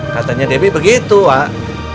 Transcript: katanya debbie begitu wak